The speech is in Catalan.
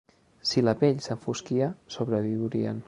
Si la pell s'enfosquia, sobreviurien.